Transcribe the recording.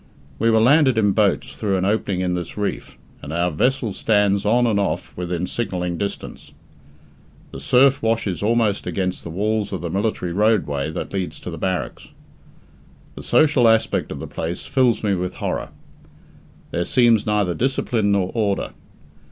We were landed in boats through an opening in this reef, and our vessel stands on and off within signalling distance. The surf washes almost against the walls of the military roadway that leads to the barracks. The social aspect of the place fills me with horror. There seems neither discipline nor order.